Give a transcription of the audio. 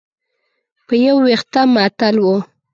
په یو وېښته معطل و.